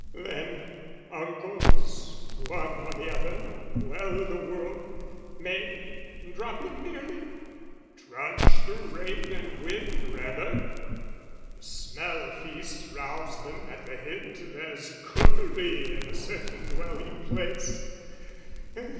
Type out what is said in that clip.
Then, uncles, one or the other, well i' the world, May drop in, merely? trudge through rain and wind, Rather! The smell feasts rouse them at the hint There's cookery in a certain dwelling place!